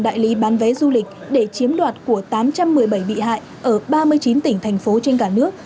đại lý bán vé du lịch để chiếm đoạt của tám trăm một mươi bảy bị hại ở ba mươi chín tỉnh thành phố trên cả nước